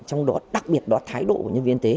trong đó đặc biệt đó thái độ của nhân viên y tế